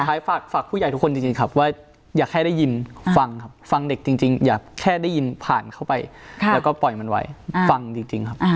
ท้ายฝากผู้ใหญ่ทุกคนจริงครับว่าอยากให้ได้ยินฟังครับฟังเด็กจริงอย่าแค่ได้ยินผ่านเข้าไปแล้วก็ปล่อยมันไว้ฟังจริงครับ